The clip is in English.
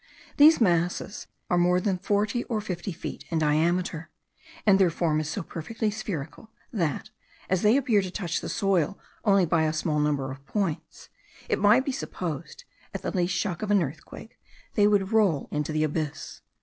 These masses are more than forty or fifty feet in diameter; and their form is so perfectly spherical, that, as they appear to touch the soil only by a small number of points, it might be supposed, at the least shock of an earthquake, they would roll into the abyss.